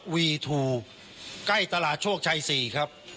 วีทูใกล้ตลาดโชคชัย๔ครับ